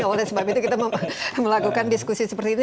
oleh sebab itu kita melakukan diskusi seperti ini